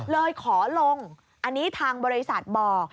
เลยขอลงอันนี้ทางบริษัทบอก